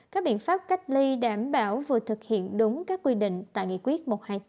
các biện pháp cách ly đảm bảo vừa thực hiện đúng các quy định tại nghị quyết một trăm hai mươi tám